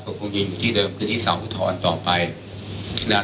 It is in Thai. ก็คงยังอยู่ที่เดิมคือที่เสาทอนต่อไปนะครับ